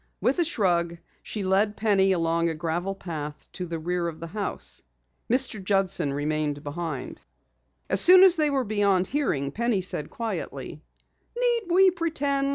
With a shrug she led Penny along a gravel path to the rear of the house. Mr. Judson remained behind. As soon as they were beyond hearing, Penny said quietly: "Need we pretend?